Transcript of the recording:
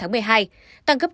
tăng gấp gấp